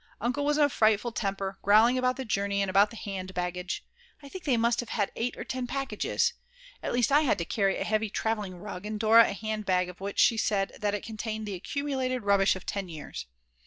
Uncle was in a frightful temper, growling about the journey and about the handbaggage, I think they must have had 8 or 10 packages, at least I had to carry a heavy travelling rug and Dora a handbag of which she said that it contained the accumulated rubbish of 10 years.